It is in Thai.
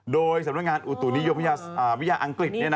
โดยสำนักงานอุตุนิยมวิทยาอังกฤษ